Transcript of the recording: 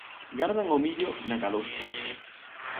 Gardan o millo na calustra.